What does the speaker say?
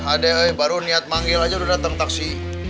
ade hei baru niat manggil aja udah dateng taksi